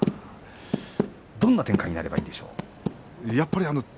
どんな展開になればいいですかね。